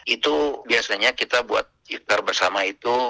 itu biasanya kita buat iftar bersama itu